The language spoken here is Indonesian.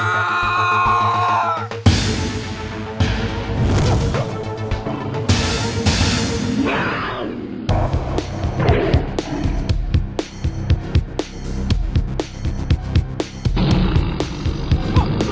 alina kau bisa berdiri kan